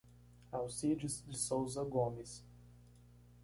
Alcides de Souza Gomes